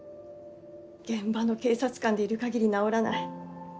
現場の警察官でいる限り治らない。